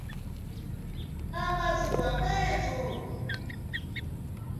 Ama suwamaytsu.